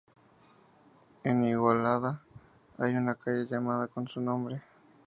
En Igualada hay una calle llamada con su nombre.